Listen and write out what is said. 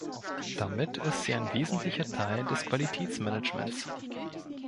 Damit ist sie ein wesentlicher Teil des Qualitätsmanagements.